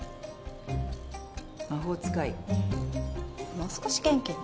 もう少し元気に。